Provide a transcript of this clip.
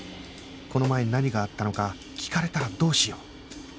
この前何があったのか聞かれたらどうしよう？